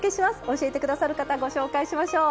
教えてくださる方ご紹介しましょう。